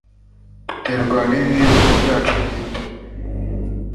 biterwa ahanini n'ibikorwa byacu bwite